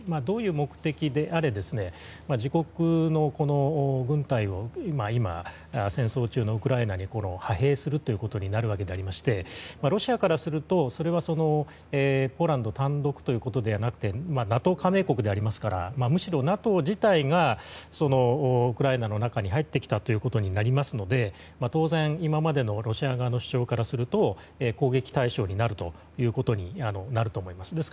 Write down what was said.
どういう目的であれ自国の軍隊を今、戦争中のウクライナに派兵するということになるわけでありましてロシアからするとそれは、ポーランド単独ということではなくてＮＡＴＯ加盟国でありますからむしろＮＡＴＯ自体がウクライナの中に入ってきたということになりますので当然、今までのロシア側の主張からすると攻撃対象になるということになると思います。